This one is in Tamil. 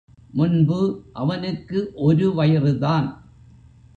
முன்பு அவனுக்கு ஒரு வயிறுதான்.